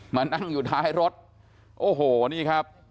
มานั่งอยู่ท้ายรถโอ้โหนี่ครับ